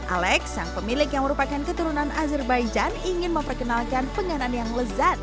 alex yang pemilik yang merupakan keturunan azerbaijan ingin memperkenalkan penganan yang lezat